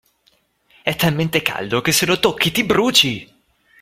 E' talmente caldo che se lo tocchi ti bruci!